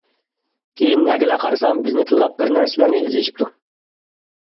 كېيىن نەگىلا قارىسام بىزنى تىللاپ بىر نەرسىلەرنى يېزىشىپتۇ.